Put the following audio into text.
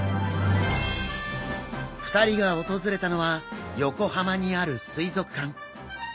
２人が訪れたのは横浜にある水族館。